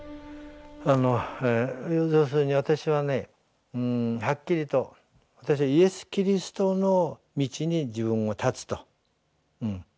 要するに私はねはっきりと私はイエス・キリストの道に自分を立つと。